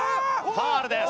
ファウルです。